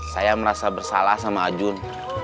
saya merasa bersalah sama ajun